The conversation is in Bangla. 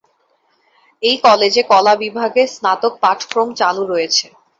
এই কলেজে কলা বিভাগে স্নাতক পাঠক্রম চালু রয়েছে।